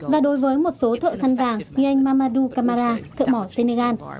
và đối với một số thợ săn vàng như anh mamadu kamara thợ mỏ senegal